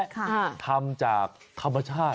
ค่ะทำจากธรรมชาติ